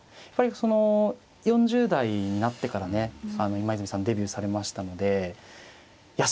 その４０代になってからね今泉さんデビューされましたのでいや